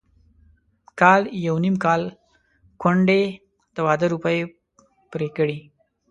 کال يو نيم کال کونډې د واده روپۍ پرې کړې.